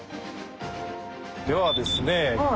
ではですね